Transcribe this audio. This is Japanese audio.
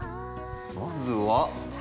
まずは。